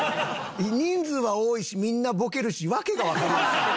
人数は多いしみんなボケるしわけがわかりません。